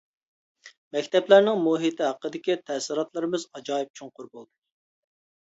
مەكتەپلەرنىڭ مۇھىتى ھەققىدىكى تەسىراتلىرىمىز ئاجايىپ چوڭقۇر بولدى.